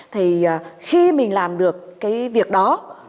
thì khi mình làm được cái việc đó